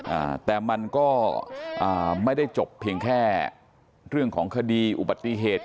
อ่าแต่มันก็อ่าไม่ได้จบเพียงแค่เรื่องของคดีอุบัติเหตุ